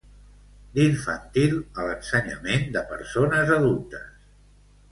D'infantil a l'ensenyament de persones adultes.